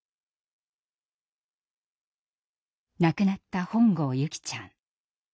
亡くなった本郷優希ちゃん。